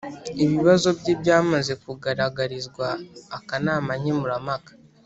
Ibibazo bye byamaze kugaragarizwa akanama nkemurampaka